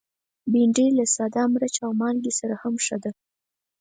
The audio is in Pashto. بېنډۍ له ساده مرچ او مالګه سره هم ښه ده